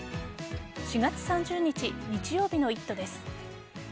４月３０日日曜日の「イット！」です。